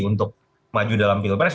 untuk maju dalam pilpres